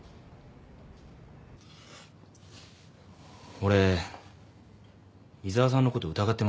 俺井沢さんのこと疑ってました。